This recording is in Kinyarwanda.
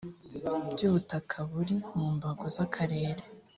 ry ubutaka buri mu mbago z akarere